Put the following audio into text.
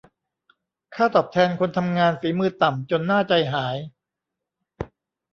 ค่าตอบแทนคนทำงานฝีมือต่ำจนน่าใจหาย